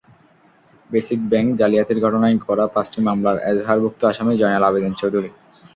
Basic Bank জালিয়াতির ঘটনায় করা পাঁচটি মামলার এজাহারভুক্ত আসামি জয়নাল আবেদীন চৌধুরী।